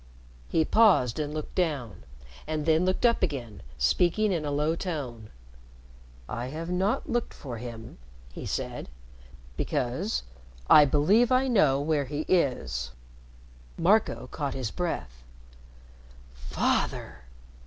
He paused and looked down, and then looked up again, speaking in a low tone. "I have not looked for him," he said, "because I believe I know where he is." Marco caught his breath. "Father!"